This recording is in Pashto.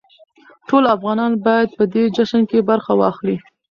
ټول افغانان بايد په دې جشن کې برخه واخلي.